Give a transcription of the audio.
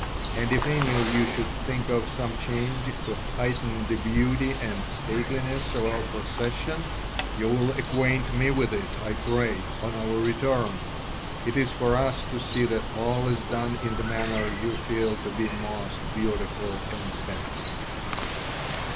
And if any of you should think of some change to heighten the beauty and stateliness of our procession, you will acquaint me with it, I pray, on our return; it is for us to see that all is done in the manner you feel to be most beautiful and best."